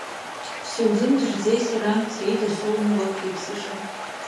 Сузымдырӡеи сара, Саида соуми, уаԥхьа иԥсы-ша?